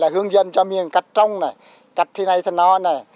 hướng dẫn cho mình cật trồng này cật thế này thế đó này